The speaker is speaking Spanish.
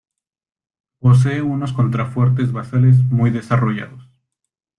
Posee unos contrafuertes basales muy desarrollados.